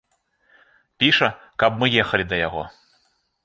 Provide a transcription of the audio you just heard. Піша, каб мы ехалі да яго.